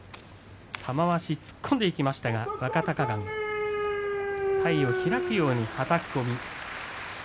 玉鷲、突っ込んでいきましたが若隆景、体を開くようにはたき込み。